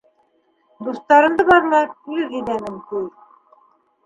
Дуҫтарымды барлап, ил гиҙәмен, ти.